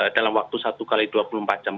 dalam waktu satu x dua puluh empat jam